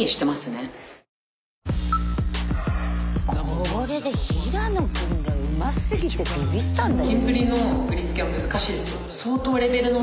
これで平野君がうますぎてびびったんだよ。